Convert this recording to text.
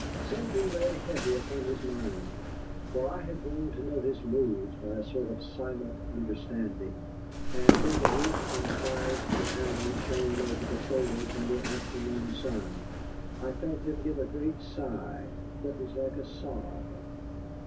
Something lay heavy on his mind. For I had grown to know his moods by a sort of silent understanding. And when the roofs and spires of the town shone over the foliage in the afternoon sun, I felt him give a great sigh that was like a sob.